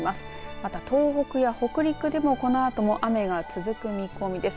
また東北や北陸でもこのあとも雨が続く見込みです。